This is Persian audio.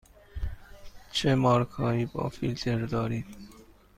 چه مارک هایی با فیلتر دارید؟